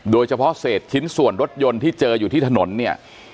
โดยเฉพาะเศษชิ้นส่วนรถยนต์ที่เจออยู่ที่ถนนเนี่ย